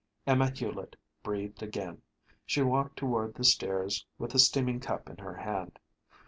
Emma Hulett breathed again. She walked toward the stairs with the steaming cup in her hand.